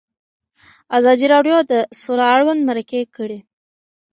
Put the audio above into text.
ازادي راډیو د سوله اړوند مرکې کړي.